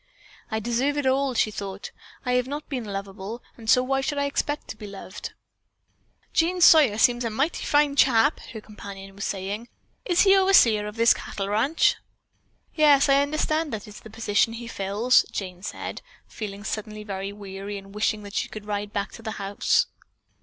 "I deserve it all," she thought. "I have not been lovable, and so why should I expect to be loved?" "Jean Sawyer seems to be a mighty fine chap," her companion was saying. "Is he overseer of this cattle ranch?" "Yes, I understand that is the position he fills," Jane said, feeling suddenly very weary, and wishing that she could ride back to the ranch house.